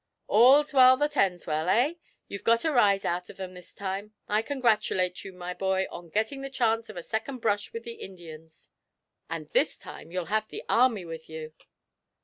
'All's well that ends well, eh? You've got a rise out of 'em this time. I congratulate you, my boy, on getting the chance of a second brush with the Indians. And this time you'll have the army with you.'